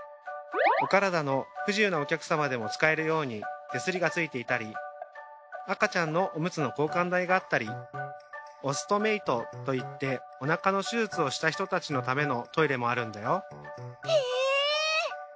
お体の不自由なお客様でも使えるように手すりがついていたり赤ちゃんのおむつの交換台があったりオストメイトといってお腹の手術をした人たちのためのトイレもあるんだよ。